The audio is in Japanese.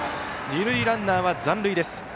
二塁ランナーは残塁です。